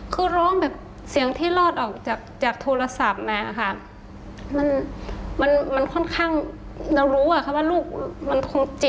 คือร้องแบบเสียงที่ลอดออกจากโทรศัพท์